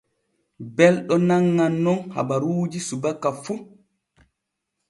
Belɗo anŋan nun habaruuji subaka fu.